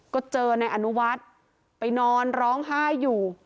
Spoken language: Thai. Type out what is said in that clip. ก็เจอนายอนุวัฒน์ไปนอนร้องไห้อยู่